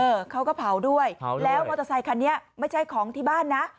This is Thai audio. เออเขาก็เผาด้วยเผาแล้วมอเตอร์ไซคันนี้ไม่ใช่ของที่บ้านนะ